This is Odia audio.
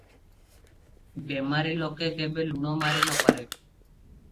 ବେମାରି ଲୋକ କେବେ ଲୁଣ ମାରି ନ ପାରେ ।